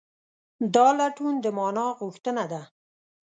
دا لټون د مانا غوښتنه ده.